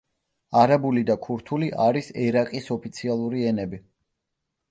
არაბული და ქურთული არის ერაყის ოფიციალური ენები.